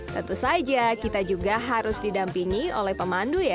tentu saja kita juga harus didampingi oleh pemandu ya